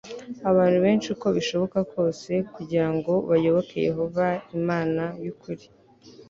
abantu benshi uko bishoboka kose kugira ngo bayoboke yehova imana y ukuri